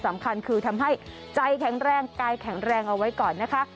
สำคัญคือทำให้ใจแข็งแรงกายแข็งแรงเอาไว้ก่อนนะคะ